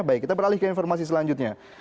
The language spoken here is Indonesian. baik kita beralih ke informasi selanjutnya